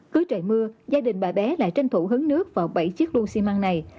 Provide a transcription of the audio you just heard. cứ trời mưa gia đình bà bé lại tranh thủ hứng nước vào bảy chiếc lưu xi măng này